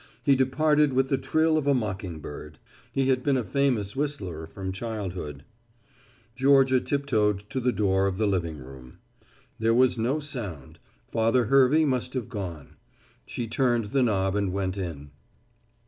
He departed with the trill of a mocking bird. He had been a famous whistler from childhood. Georgia tiptoed to the door of the living room. There was no sound. Father Hervey must have gone. She turned the knob and went in.